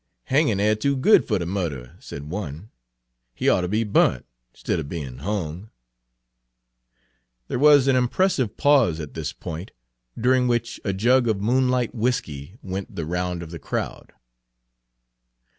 "Hangin' air too good fer the murderer," said one; "he oughter be burnt, stidier bein' hung." Page 66 There was an impressive pause at this point, during which a jug of moonlight whiskey went the round of the crowd.